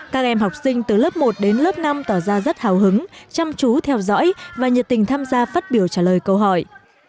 các em học sinh từ lớp một đến lớp năm tỏ ra rất hào hứng chăm chú theo dõi và nhiệt tình tham gia phát biểu trả lời câu hỏi